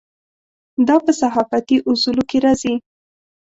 دا په صحافتي اصولو کې راځي.